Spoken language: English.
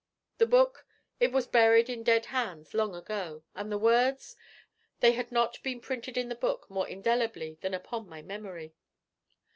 The book? it was buried in dead hands long ago; and the words? they had not been printed in the book more indelibly than upon my memory.